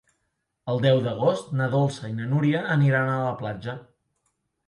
El deu d'agost na Dolça i na Núria aniran a la platja.